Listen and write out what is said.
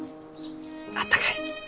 あったかい。